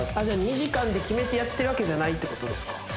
じゃあ２時間って決めてやってるわけじゃないってことですか？